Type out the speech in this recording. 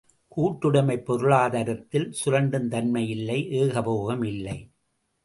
கூட்டுடைமைப் பொருளாதாரத்தில் சுரண்டும் தன்மை இல்லை ஏகபோகம் இல்லை.